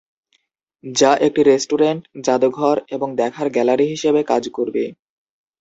যা একটি রেস্টুরেন্ট, যাদুঘর, এবং দেখার গ্যালারি হিসাবে কাজ করবে।